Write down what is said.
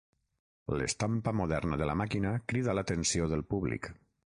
L'estampa moderna de la màquina cridà l'atenció del públic.